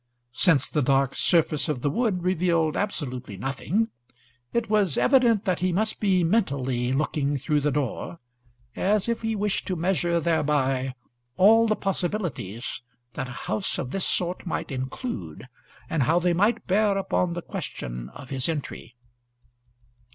Since the dark surface of the wood revealed absolutely nothing, it was evident that he must be mentally looking through the door, as if he wished to measure thereby all the possibilities that a house of this sort might include, and how they might bear upon the question of his entry.